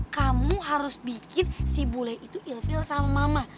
kamu harus bikin si bule itu ilfield sama mama